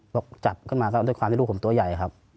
บอกจับขึ้นมาก็ด้วยความที่ลูกผมตัวใหญ่ครับ